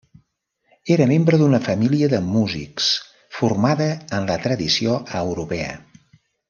Era membre d'una família de músics formada en la tradició europea.